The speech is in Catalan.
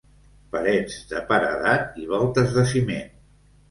Parets de paredat i voltes de ciment.